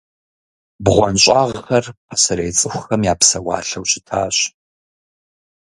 БгъуэнщӀагъхэр пасэрей цӀыхухэм я псэуалъэу щытащ.